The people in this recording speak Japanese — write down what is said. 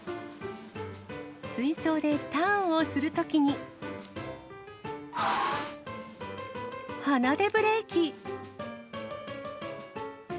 水槽でターンをするときに、鼻でブレーキ。